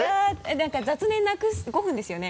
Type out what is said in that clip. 何か雑念なくす５分ですよね？